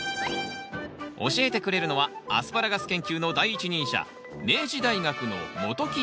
教えてくれるのはアスパラガス研究の第一人者